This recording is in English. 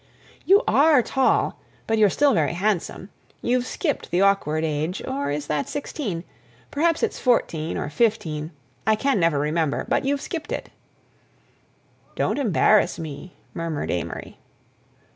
"You are tall—but you're still very handsome—you've skipped the awkward age, or is that sixteen; perhaps it's fourteen or fifteen; I can never remember; but you've skipped it." "Don't embarrass me," murmured Amory.